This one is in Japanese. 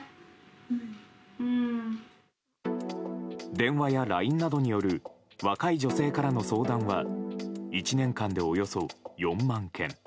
電話やＬＩＮＥなどによる若い女性からの相談は１年間でおよそ４万件。